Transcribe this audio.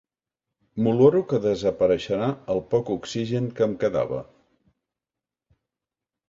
M'oloro que desapareixerà el poc oxigen que em quedava.